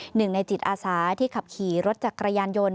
หนึ่งในจิตอาสาที่ขับขี่รถจักรยานยนต์